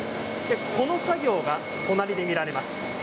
この作業が隣で見られます。